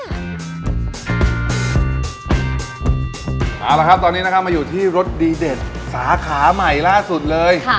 เอาละครับตอนนี้นะครับมาอยู่ที่รถดีเด็ดสาขาใหม่ล่าสุดเลย